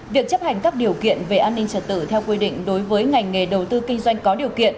việc chấp hành các điều kiện về an ninh trật tự theo quy định đối với ngành nghề đầu tư kinh doanh có điều kiện